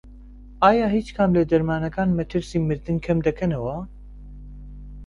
ئایا هیچ کام لە دەرمانەکان مەترسی مردن کەمدەکەنەوە؟